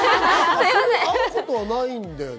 会うことはないんだよね？